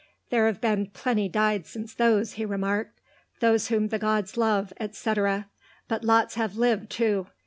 "There've been plenty died since those," he remarked. "Those whom the gods love, etcetera. But lots have lived, too.